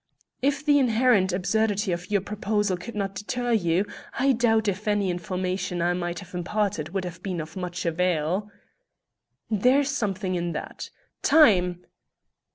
"If the inherent absurdity of your proposal could not deter you, I doubt if any information I might have imparted would have been of much avail." "There's something in that. Time!"